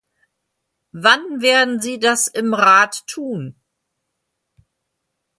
Wann werden Sie das im Rat tun?